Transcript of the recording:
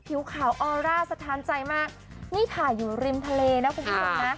ผิวขาวออร่าสะท้านใจมากนี่ถ่ายอยู่ริมทะเลนะคุณผู้ชมนะ